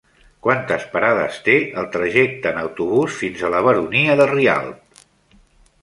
Quantes parades té el trajecte en autobús fins a la Baronia de Rialb?